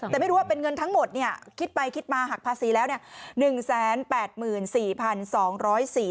แต่ไม่รู้ว่าเป็นเงินทั้งหมดเนี่ยคิดไปคิดมาหักภาษีแล้วเนี่ย